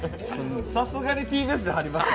さすがにＴＢＳで貼りました。